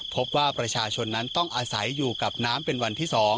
พบว่าประชาชนนั้นต้องอาศัยอยู่กับน้ำเป็นวันที่๒